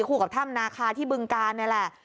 คู่กับถ้ำนาคาที่บึงการนี่แหละ